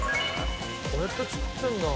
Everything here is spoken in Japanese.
こうやって作ってるんだ。